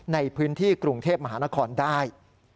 ในพื้นที่กรุงเทพมหานครได้